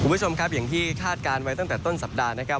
คุณผู้ชมครับอย่างที่คาดการณ์ไว้ตั้งแต่ต้นสัปดาห์นะครับ